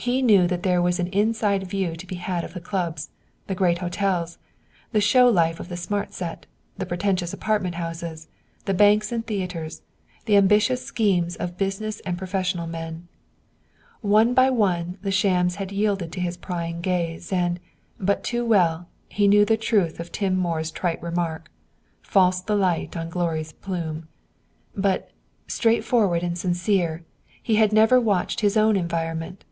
He knew that there was an inside view to be had of the clubs, the great hotels, the show life of the smart set, the pretentious apartment houses, the banks and theaters, the ambitious schemes of business and professional men. One by one the shams had yielded to his prying gaze, and, but too well, he knew the truth of Tom Moore's trite remark, "False the light on glory's plume!" But, straightforward and sincere, he had never watched his own environment.